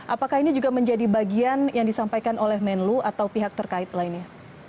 apakah ini juga menjadi bagian yang disampaikan oleh menlu atau pihak terkait lainnya